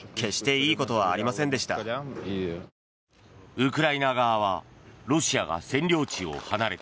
ウクライナ側はロシアが占領地を離れて